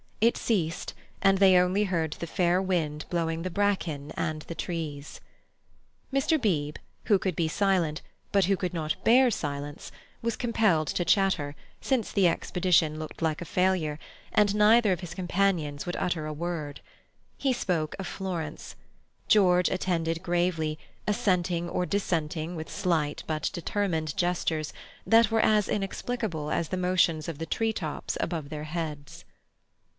It ceased, and they only heard the fair wind blowing the bracken and the trees. Mr. Beebe, who could be silent, but who could not bear silence, was compelled to chatter, since the expedition looked like a failure, and neither of his companions would utter a word. He spoke of Florence. George attended gravely, assenting or dissenting with slight but determined gestures that were as inexplicable as the motions of the tree tops above their heads.